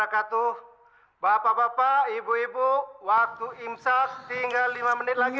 aku imsak tinggal lima menit lagi